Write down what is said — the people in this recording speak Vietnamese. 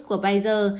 của pfizer và pazlovit